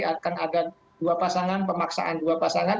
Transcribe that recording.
akan ada dua pasangan pemaksaan dua pasangan